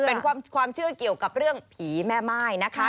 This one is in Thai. เป็นความเชื่อเกี่ยวกับเรื่องผีแม่ม่ายนะคะ